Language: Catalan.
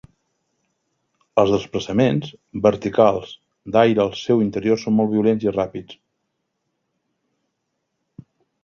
Els desplaçaments verticals d'aire al seu interior són molt violents i ràpids.